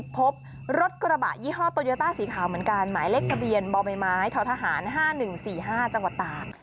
พบรถกระบะยี่ห้อโตโยต้าสีขาวเหมือนกันหมายเลขทะเบียนบ่อใบไม้ท้อทหาร๕๑๔๕จังหวัดตาก